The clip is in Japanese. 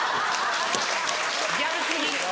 ギャル過ぎ。